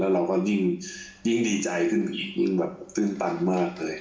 เราก็ยิ่งดีใจขึ้นอีกยิ่งตั้งมากเลย